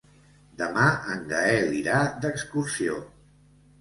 Demà en Gaël irà d'excursió.